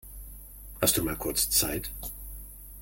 Hast du mal kurz Zeit?